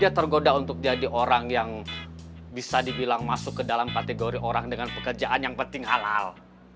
dia tergoda untuk jadi orang yang bisa dibilang masuk ke dalam kategori orang dengan pekerjaan yang penting halal